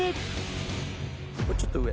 もうちょっと上。